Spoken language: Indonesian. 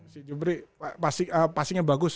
si jubri passingnya bagus